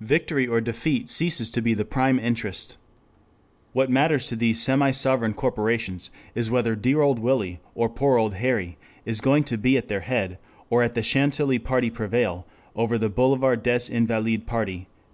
Victory or defeat ceases to be the prime interest. What matters to these semi sovereign corporations is whether dear old Willie or poor old Harry is going to be at their head, or the Chantilly party prevail over the Boulevard des Invalides party."